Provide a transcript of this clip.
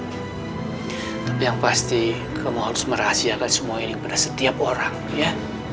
tapi yang pasti kamu harus merahasiakan semua ini kepada setiap orang ya